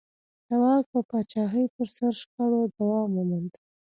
د واک او پاچاهۍ پر سر شخړو دوام وموند.